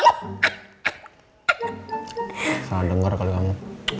masalah dengar kali kamu